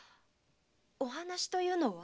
お話というのは？